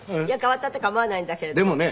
いや変わったって構わないんだけれども。